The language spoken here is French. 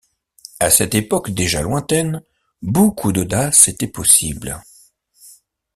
À cette époque déjà lointaine, beaucoup d’audaces étaient possibles.